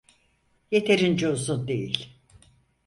Yeterince uzun değil.